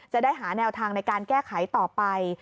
จะได้หาแนวทางในการแก้ไขต่อไป